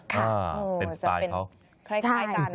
ค่ะเป็นสไตล์เขาคล้ายกันใช่